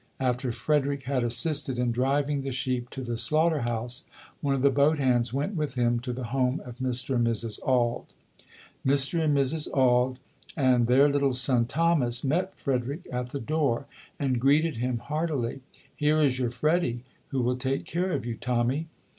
After Frederick had assisted in driving the sheep to the slaughter house, one of the boat hands went with him to the home of Mr. and Mrs. Auld. Mr. and Mrs. Auld and their little son, Thomas, met Frederick at the door and greeted him heart ily. "Here is your Freddie who will take care of you, Tommy.